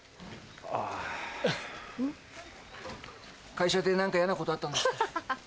会社で何か嫌なことあったんですか？